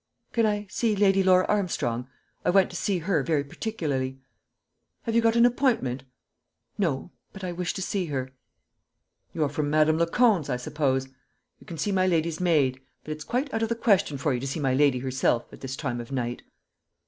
"Can I see Lady Laura Armstrong? I want to see her very particularly." "Have you got an appointment?" "No; but I wish to see her." "You're from Madame Lecondre's, I suppose. You can see my lady's maid; but it's quite out of the question for you to see my lady herself, at this time of night."